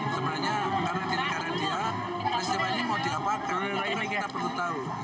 sebenarnya karena diri mereka peristiwa ini mau dilakukan itu kita perlu tahu